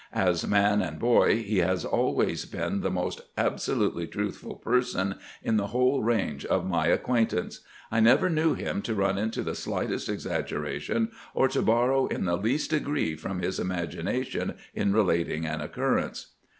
As man and boy he has always been the most absolutely truthful person in the whole range of my acquaintance, I never knew him to run into the slightest exaggeration or to borrow in the least degree from his imagination in relating an occurrence."